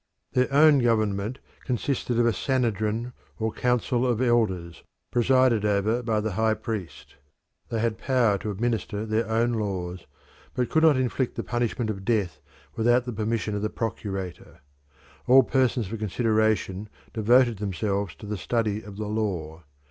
Their own government consisted of a Sanhedrin or Council of Elders, presided over by the High Priest. They had power to administer their own laws, but could not inflict the punishment of death without the permission of the procurator. All persons of consideration devoted themselves to the study of the law.